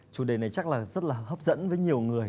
chủ đề này chắc là rất là hấp dẫn với nhiều người